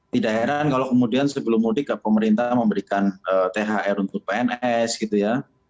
tidak heran kalau kemudian sebelum mudik pemerintah memberikan thr untuk pns gitu ya